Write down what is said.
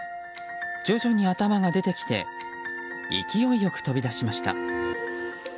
徐々に頭が出てきて勢いよく飛び出しました。